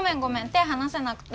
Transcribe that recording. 手離せなくて。